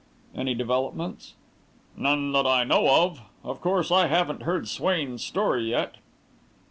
"Any developments?" "None that I know of. Of course, I haven't heard Swain's story yet."